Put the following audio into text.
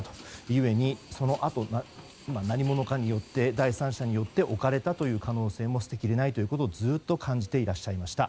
ゆえに、そのあと何者かによって第三者によって置かれたという可能性も捨てきれないということをずっと感じていらっしゃいました。